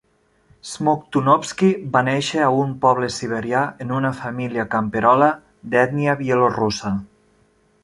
Smoktunovsky va néixer a un poble siberià en una família camperola d'ètnia bielorussa.